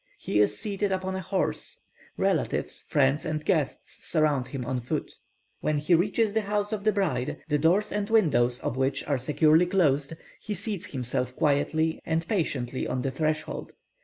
He is seated upon a horse; relatives, friends, and guests surround him on foot. When he reaches the house of the bride, the doors and windows of which are securely closed, he seats himself quietly and patiently on the threshold.